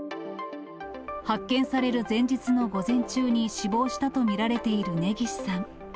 発見される前日の午前中に死亡したと見られている根岸さん。